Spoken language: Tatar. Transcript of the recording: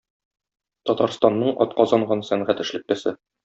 Татарстанның атказанган сәнгать эшлеклесе.